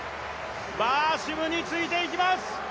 バーシムについていきます。